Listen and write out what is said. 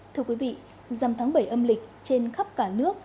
thưa quý vị dằm tháng bảy âm lịch trên khắp cả nước